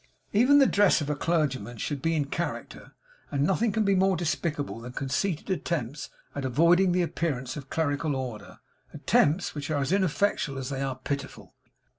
Even the dress of a clergyman should be in character, and nothing can be more despicable than conceited attempts at avoiding the appearance of the clerical order; attempts, which are as ineffectual as they are pitiful.